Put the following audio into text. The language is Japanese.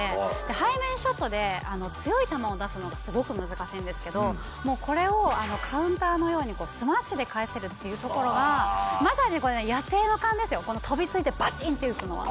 背面ショットで強い球を出すのがすごく難しいんですけどこれをカウンターのようにスマッシュで返せるっていうところがまさにこれ野生の勘ですよ飛び付いてバチンって打つのは。